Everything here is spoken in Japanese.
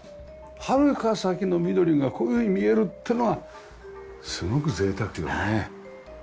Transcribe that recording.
はるか先の緑がこういうふうに見えるっていうのはすごく贅沢というかね。